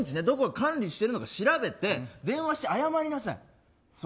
どこで管理しているのか調べて電話して謝りなさい。